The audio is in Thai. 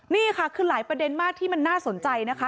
นี่ค่ะคือหลายประเด็นมากที่มันน่าสนใจนะคะ